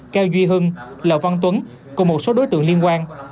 cao duy hưng lò văn tuấn cùng một số đối tượng liên quan